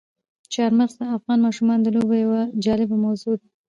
چار مغز د افغان ماشومانو د لوبو یوه جالبه موضوع ده.